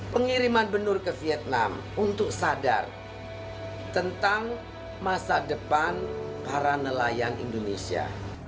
pengiriman benur ke vietnam untuk sadar tentang masa depan para nelayan indonesia